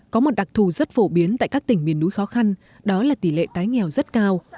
có một đặc thù rất phổ biến tại các tỉnh miền núi khó khăn đó là tỷ lệ tái nghèo rất cao